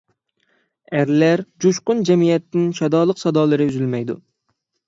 ئەرلەر جۇشقۇن جەمئىيەتتىن شادلىق سادالىرى ئۈزۈلمەيدۇ.